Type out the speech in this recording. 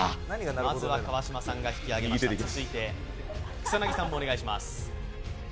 まずは川島さんが引き上げました、草薙さんもお願いします。